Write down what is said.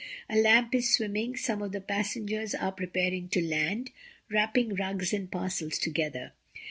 A lamp is swinging, some of the passengers are preparing to land, wrapping rugs and parcels together.